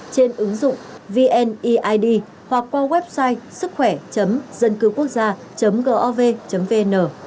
trên ứng dụng vneid hoặc qua website sứckhỏe dâncưquốcgia gov vn